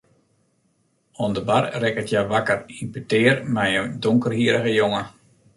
Oan de bar rekket hja wakker yn petear mei in donkerhierrige jonge.